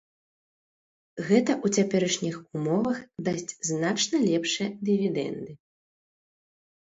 Гэта ў цяперашніх умовах дасць значна лепшыя дывідэнды.